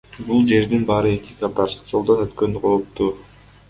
Бул жердин баары эки катар, жолдон өткөн кооптуу.